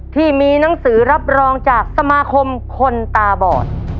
ที่มีหนังสือรับรองจากสมาคมคนตาบอด